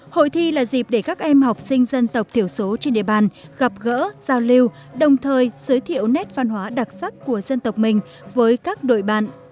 hội thi là dịp để các em học sinh dân tộc thiểu số trên địa bàn gặp gỡ giao lưu đồng thời giới thiệu nét văn hóa đặc sắc của dân tộc mình với các đội bạn